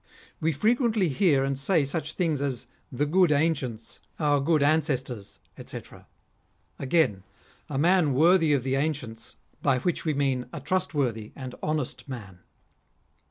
" We frequently hear and say such things as, ' The good ancients,' ' our good ancestors,' &c. Again, ' A man worthy of the ancients,' by which we mean a trustworthy! and honest man.